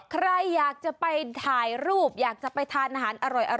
ใครอยากจะไปถ่ายรูปอยากจะไปทานอาหารอร่อย